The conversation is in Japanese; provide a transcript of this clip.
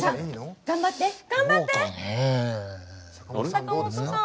坂本さん